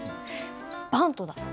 バントだ。